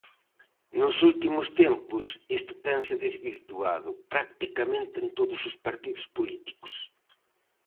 Nos últimos tempos isto tense desvirtuado, practicamente en todos os partidos políticos.